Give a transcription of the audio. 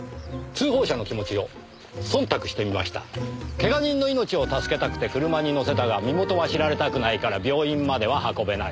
けが人の命を助けたくて車に乗せたが身元は知られたくないから病院までは運べない。